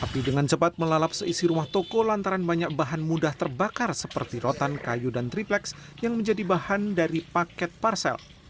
api dengan cepat melalap seisi rumah toko lantaran banyak bahan mudah terbakar seperti rotan kayu dan tripleks yang menjadi bahan dari paket parsel